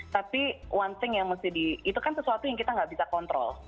tapi one thing yang mesti di itu kan sesuatu yang kita nggak bisa kontrol